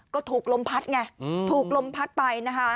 ก็ถูกลมพัดไงถูกลมพัดไปนะคะ